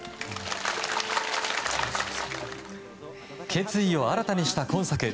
決意を新たにした今作。